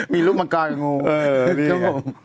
มีลูกบังกายของนู